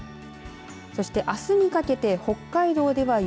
そしてあすにかけて北海道では雪